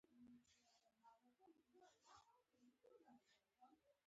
موضوعاتو ته په لنډه توګه اشاره شوه.